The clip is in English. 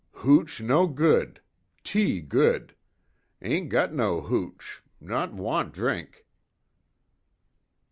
"Hooch no good. Tea good. Ain' got no hooch not wan drink."